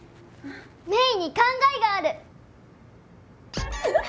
芽衣に考えがある！